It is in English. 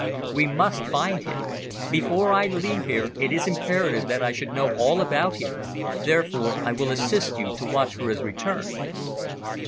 "We must find out. Before I leave here it is imperative that I should know all about him, therefore I will assist you to watch for his return."